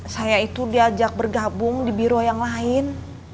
saya itu diajak bergabung di biro yang lain